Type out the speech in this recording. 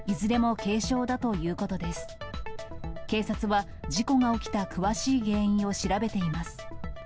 警察は、事故が起きた詳しい原因を調べています。